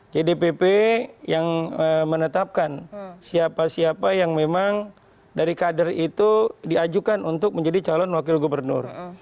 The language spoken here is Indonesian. jadi dpp yang menetapkan siapa siapa yang memang dari kader itu diajukan untuk menjadi calon wakil gubernur